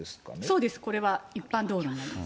そうです、これは一般道路になります。